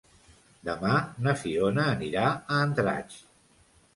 Demà na Fiona anirà a Andratx.